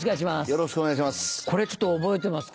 よろしくお願いします。